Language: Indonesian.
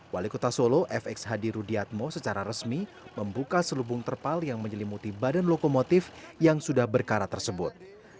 wali kota solo fx hadi rudiatmo secara resmi membuka selubung terpal yang menyelimuti badan lokomotif yang sudah berkarat tersebut